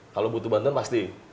kalau butuh bantuan pasti